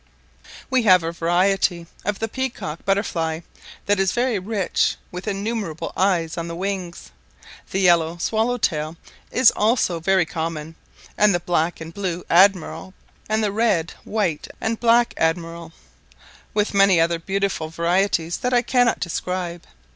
We have a variety of the peacock butterfly, that is very rich, with innumerable eyes on the wings. The yellow swallow tail is also very common, and the black and blue admiral, and the red, white, and black admiral, with many other beautiful varieties that I cannot describe.